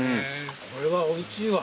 これはおいしいわ。